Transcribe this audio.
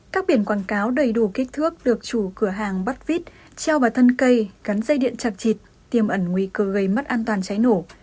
các biển quảng cáo đầy đủ kích thước được chủ cửa hàng bắt vít treo vào thân cây cắn dây điện chặt trịt tiêm ẩn nguy cơ gây mất an toàn cháy nổ